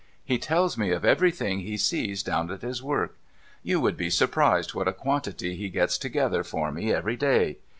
He tells me of everything he sees down at his work. You would be surprised what a quantity he gets together for me every day.